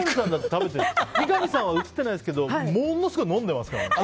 三上さんは映ってないですけどものすごい飲んでますから。